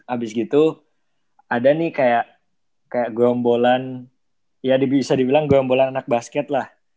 abis gitu ada nih kayak kayak golombolan ya bisa dibilang golombolan anak basket lah